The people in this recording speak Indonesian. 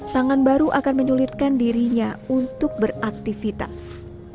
tangan baru akan menyulitkan dirinya untuk beraktivitas